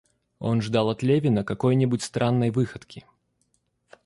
Он ждал от Левина какой-нибудь странной выходки.